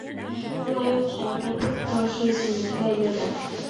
Шулай уҡ Шайморатов та ошо исемлеккә эләгә.